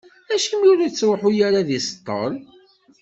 Acimi ur ittruḥu ara ad d-iṣeṭṭel?